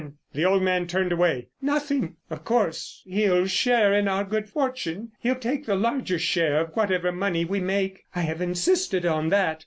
The old man turned away. "Nothing. Of course he'll share in our good fortune. He'll take the larger share of whatever money we make. I have insisted on that.